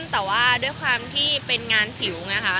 แต่ว่าด้วยความที่เป็นงานผิวไงคะ